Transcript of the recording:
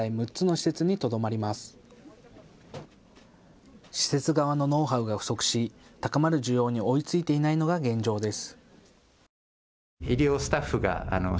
施設側のノウハウが不足し、高まる需要に追いついていないのが現状です。